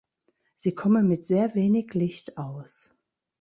Sie kommen mit sehr wenig Licht aus.